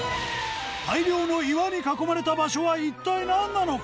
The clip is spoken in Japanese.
大量の岩に囲まれた場所は一体何なのか？